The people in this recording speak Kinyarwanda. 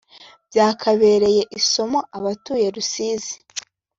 byakabereye isomo abatuye Rusizi